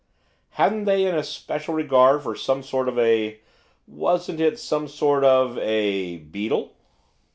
'Hadn't they an especial regard for some sort of a wasn't it some sort of a beetle?